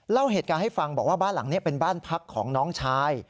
เล่าเหตุการณ์ให้ฟังบอกว่าบ้านหลังนี้เป็นบ้านพักของน้องชาย